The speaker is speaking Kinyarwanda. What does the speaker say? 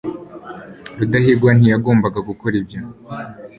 rudahigwa ntiyagombaga gukora ibyo